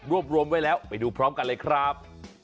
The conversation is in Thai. รวมไว้แล้วไปดูพร้อมกันเลยครับ